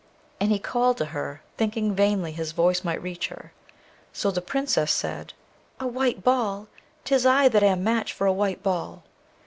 And he called to her, thinking vainly his voice might reach her. So the Princess said, 'A white ball? 'tis I that am match for a white ball!'